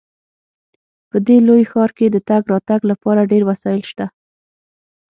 په دې لوی ښار کې د تګ راتګ لپاره ډیر وسایل شته